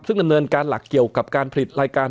ซึ่งดำเนินการหลักเกี่ยวกับการผลิตรายการ